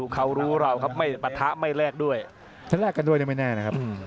เขารู้เราครับไม่ปะทะไม่แลกด้วยฉันแลกกันด้วยไม่แน่นะครับ